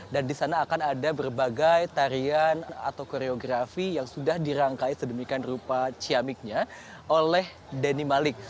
dan di sana akan ada berbagai tarian atau koreografi yang sudah dirangkai sedemikian rupa ciamiknya oleh denny malik